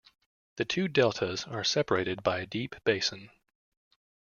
The two deltas are separated by a deep basin.